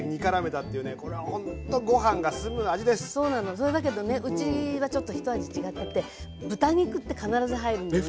それだけどねうちはちょっとひと味違ってて豚肉って必ず入るんだよね。